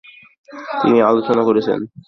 তিনি আলোচনা করেছেন।